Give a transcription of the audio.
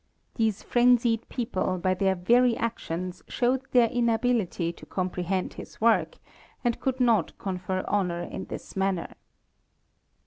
These frenzied people by their very actions showed their inability to comprehend his work, and could not confer honor in this manner.